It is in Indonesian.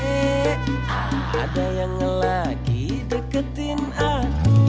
eh eh eh ah ada yang lagi deketin aku